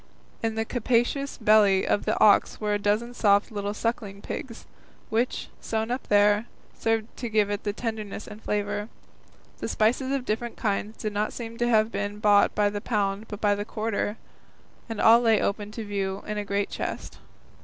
In the capacious belly of the ox were a dozen soft little sucking pigs, which, sewn up there, served to give it tenderness and flavour. The spices of different kinds did not seem to have been bought by the pound but by the quarter, and all lay open to view in a great chest.